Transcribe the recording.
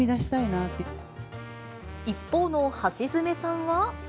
一方の橋爪さんは。